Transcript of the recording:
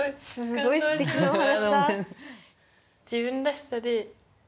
すごいすてきなお話だ。